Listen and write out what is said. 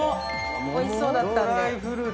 おいしそうだったんで。